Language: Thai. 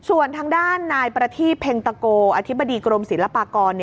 ส่วนทางด้านนายประทีบเพ็งตะโกอธิบดีกรมศิลปากร